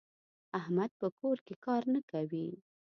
احمد په کور کې کار نه کوي.